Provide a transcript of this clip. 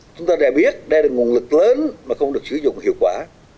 chúng ta đã biết đây là nguồn lực lớn mà không được sử dụng hiệu quả